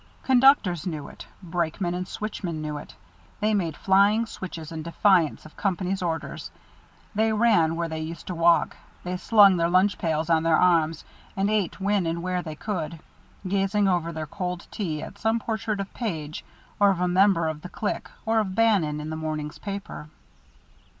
Conductors knew it, brakemen and switchmen knew it; they made flying switches in defiance of companies' orders, they ran where they used to walk, they slung their lunch pails on their arms and ate when and where they could, gazing over their cold tea at some portrait of Page, or of a member of the Clique, or of Bannon, in the morning's paper.